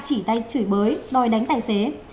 chỉ tay chửi bới đòi đánh tài xế